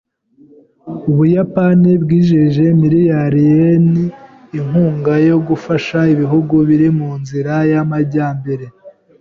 Ubuyapani bwijeje miliyari yen inkunga yo gufasha ibihugu biri mu nzira y'amajyambere.